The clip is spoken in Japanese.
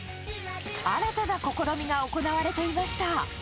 新たな試みが行われていました。